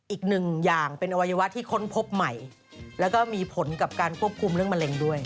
อีกหนึ่งอย่างเป็นอวัยวะที่ค้นพบใหม่แล้วก็มีผลกับการควบคุมเรื่องมะเร็งด้วย